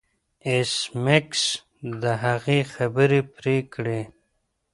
ایس میکس د هغې خبرې پرې کړې